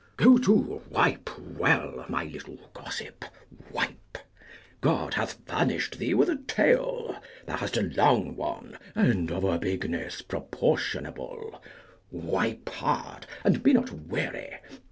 Go to, wipe well, my little gossip, wipe; God hath furnished thee with a tail; thou hast a long one, and of a bigness proportionable; wipe hard, and be not weary.